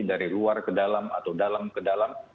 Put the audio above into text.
dari luar ke dalam atau dalam ke dalam